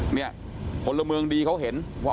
เนี่ยพลเมืองดีเขาเห็นว่า